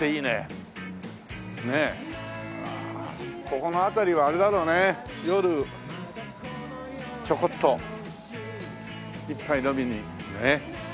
ここの辺りはあれだろうね夜ちょこっと一杯飲みにねえ。